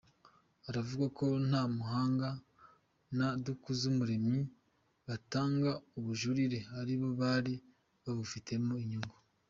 Aravuga ko Ntamuhanga na Dukuzumuremyi batanga ubujurire ari bo bari babufitemo inyungu.